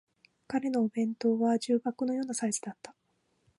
彼のお弁当は重箱のようなサイズだった